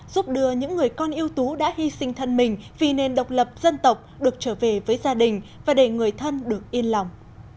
giúp đưa những người con yêu tú đã hy sinh thân mình vì nền độc lập dân tộc được trở về với gia đình và để người thân được yên lòng